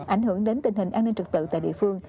ảnh hưởng đến tình hình an ninh trực tự tại địa phương